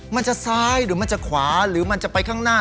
มันจะซ้ายหรือมันจะขวาหรือมันจะไปข้างหน้า